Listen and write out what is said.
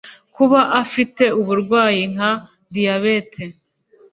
kuba ufite uburwayi nka diyabete